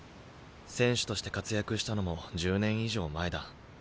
選手として活躍したのも１０年以上前だ。